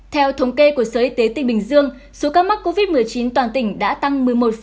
theo thống kê của sở y tế tỉnh bình dương số ca mắc covid một mươi chín toàn tỉnh đã tăng một mươi một